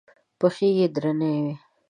پښې یې درنې وې.